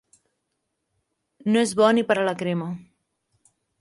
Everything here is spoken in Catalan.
No és bo ni per a la crema.